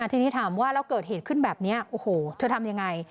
ทีนี้ถามว่าแล้วเกิดเหตุขึ้นแบบนี้โอ้โหเธอทำยังไง